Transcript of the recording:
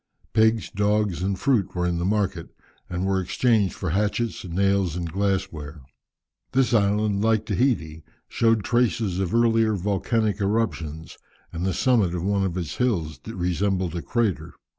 Pigs, dogs, and fruit were in the market, and were exchanged for hatchets, nails, and glass ware. This island, like Tahiti, showed traces of earlier volcanic eruptions, and the summit of one of its hills resembled a crater.